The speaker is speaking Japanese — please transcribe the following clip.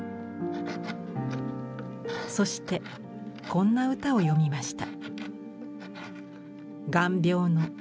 そしてこんな歌を詠みました。